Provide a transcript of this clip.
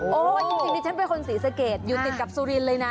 จริงดิฉันเป็นคนศรีสะเกดอยู่ติดกับสุรินทร์เลยนะ